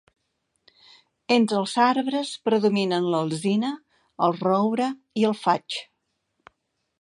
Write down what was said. Entre els arbres predominen l'alzina, el roure i el faig.